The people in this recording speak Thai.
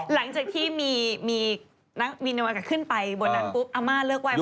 หลังจากที่มีนวัลกะขึ้นไปบนนั้นปุ๊บอาม่าเลิกไหว้พระวรรณ